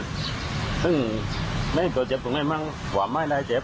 ถึงในตัวเจ็บตัวไองมั่งว่าไม่ได้เจ็บ